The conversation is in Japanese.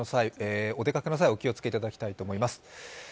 お出かけの際お気をつけいただきたいと思います。